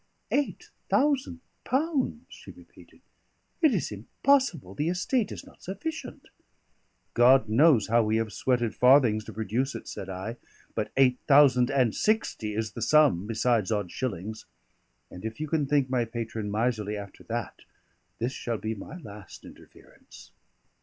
"Eight thousand pounds!" she repeated. "It is impossible; the estate is not sufficient." "God knows how we have sweated farthings to produce it," said I. "But eight thousand and sixty is the sum, beside odd shillings. And if you can think my patron miserly after that, this shall be my last interference."